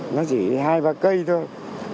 nó chỉ hai ba cây thôi